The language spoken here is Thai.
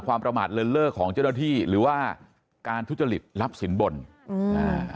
ความประมาทเรียนเลิกของเจ้าหน้าที่หรือว่าการทุจริตรับสินบ่นอืม